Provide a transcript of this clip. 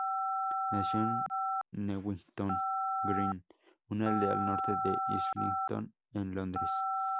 Nació en Newington Green, una aldea al norte de Islington, en Londres.